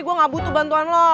gue gak butuh bantuan lo